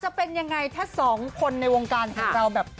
จะเป็นยังไงถ้าสองคนในวงการของเราแบบ